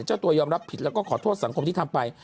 เจ้าตัวยอมรับผิดแล้วก็ขอโทษสังคมที่ทำไป